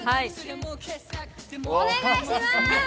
お願いします。